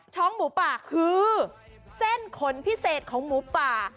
หมูป่าคือเส้นขนพิเศษของหมูป่า